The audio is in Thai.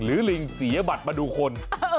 ลิงเสียบัตรมาดูคน